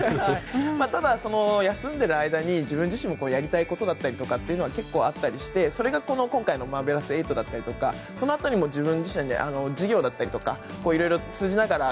ただ、休んでいる間に自分自身のやりたいことはけっこうあったりしてそれが今回のマーベラス・エイトだったりとかそのあたりも自分自身で授業だったりとかいろいろを通じながら